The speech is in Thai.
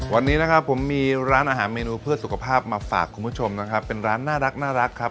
วันนี้นะครับผมมีร้านอาหารเมนูเพื่อสุขภาพมาฝากคุณผู้ชมนะครับเป็นร้านน่ารักครับ